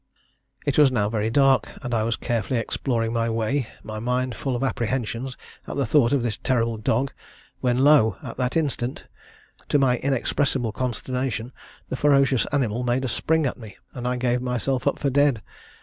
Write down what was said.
"It was now very dark, and I was carefully exploring my way, my mind full of apprehensions at the thought of this terrible dog; when lo! at that instant, to my inexpressible consternation, the ferocious animal made a spring at me, and I gave myself up for dead.